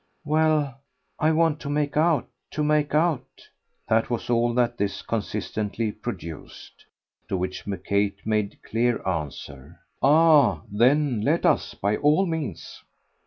"Well, I want to make out to make out!" was all that this consistently produced. To which Kate made clear answer: "Ah then let us by all means!"